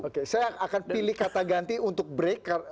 oke saya akan pilih kata ganti untuk break